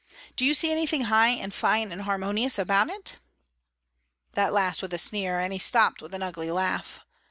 Do you see anything high and fine and harmonious about it?" That last with a sneer, and he stopped with an ugly laugh.